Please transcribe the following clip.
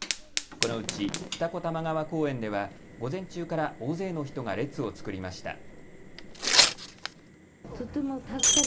このうち二子玉川公園では午前中から大勢の人が列を作りました。